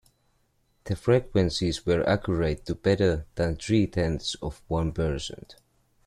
The frequencies were accurate to better than three-tenths of one percent.